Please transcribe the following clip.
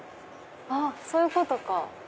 あっそういうことか。